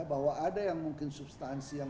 bahwa ada yang mungkin substansi yang